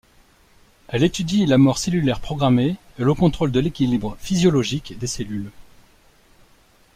Elle étudie la mort cellulaire programmée et le contrôle de l'équilibre physiologique des cellules.